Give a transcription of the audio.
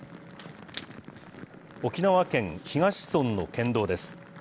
沖縄県東村の県道です。